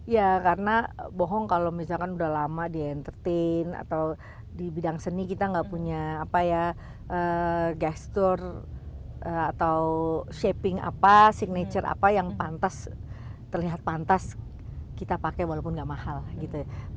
ya karena bohong kalau misalkan udah lama di entertain atau di bidang seni kita nggak punya apa ya gestur atau shaping apa signature apa yang pantas terlihat pantas kita pakai walaupun nggak mahal gitu ya